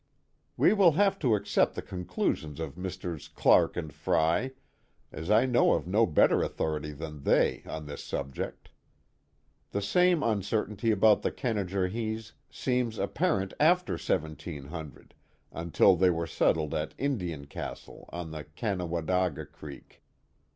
We will have to accept the conclusions of Messrs. Clark and Frey, as I know of no better authority than they on this subject. The same uncertainty' about the Canajorhees seems apparent after 1700, until they were settled at Indian Castle on the Con o wa da ga Creek.